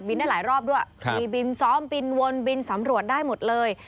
ได้หลายรอบด้วยมีบินซ้อมบินวนบินสำรวจได้หมดเลย